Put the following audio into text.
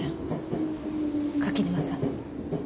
柿沼さん。